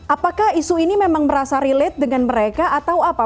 apakah isu ini memang merasa relate dengan mereka atau apa